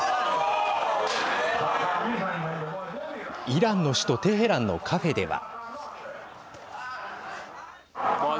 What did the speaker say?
イランの首都テヘランのカフェでは。